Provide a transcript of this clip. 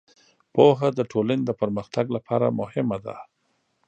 پوهه د ټولنې د پرمختګ لپاره مهمه ده.